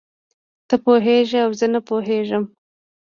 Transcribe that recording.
ته پوهېږې او زه نه پوهېږم.